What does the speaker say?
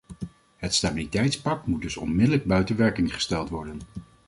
Het stabiliteitspact moet dus onmiddellijk buiten werking gesteld worden.